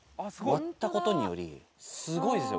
割ったことによりすごいですよ